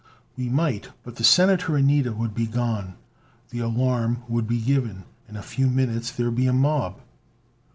"We might, but the Senator and Nida would be gone. The alarm would be given. In a few minutes there'd be a mob."